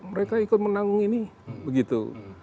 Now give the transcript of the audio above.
mereka ikut menanggung ini begitu